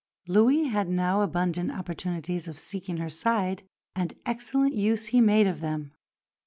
Louis had now abundant opportunities of seeking her side; and excellent use he made of them.